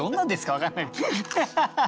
分かんない。